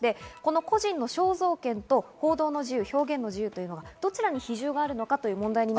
個人の肖像権と報道の自由、表現の自由、どちらに比重があるのかという問題です。